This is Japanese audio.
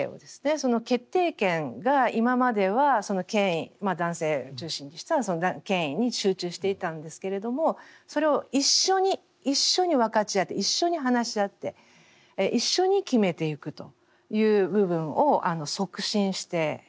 その決定権が今までは権威男性中心にしてのその権威に集中していたんですけれどもそれを一緒に一緒に分かち合って一緒に話し合って一緒に決めていくという部分を促進しています。